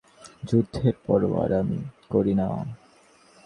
যুদ্ধের পরোয়া আর আমি করি না।